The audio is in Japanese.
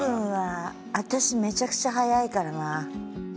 私めちゃくちゃ早いからな。